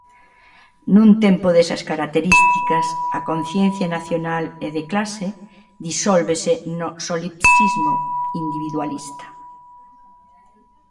Nun tempo desas características a conciencia nacional e de clase disólvese no solipsismo individualista.